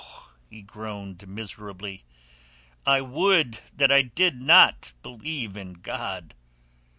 he groaned miserably. "I would that I did not believe in God!"